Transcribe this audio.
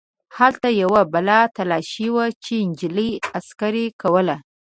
هلته یوه بله تلاشي وه چې نجلۍ عسکرې کوله.